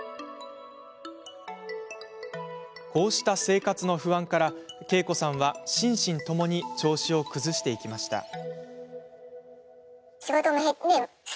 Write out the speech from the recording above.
こうした生活の不安からケイコさんは心身ともに調子を崩していきました。